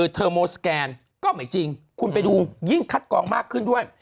เทอร์โมสแกนก็ไม่จริงคุณไปดูยิ่งคัดกองมากขึ้นด้วย